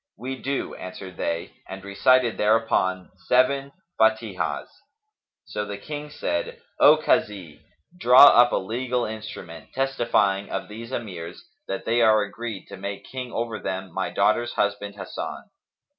"We do," answered they and recited thereupon seven Fαtihahs.[FN#275] So the King said, "O Kazi, draw up a legal instrument testifying of these Emirs that they are agreed to make King over them my daughter's husband Hasan."